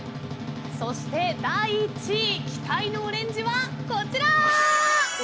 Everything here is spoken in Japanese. そして、第１位期待のオレンジはこちら。